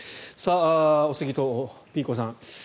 おすぎとピーコさん